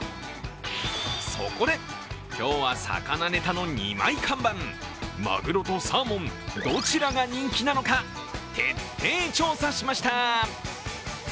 そこで今日は魚ネタの２枚看板、マグロとサーモン、どちらが人気なのか、徹底調査しました。